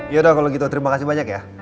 yaudah kalau gitu terima kasih banyak ya